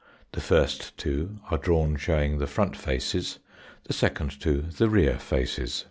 The first two are drawn showing the front faces, the second two the rear faces.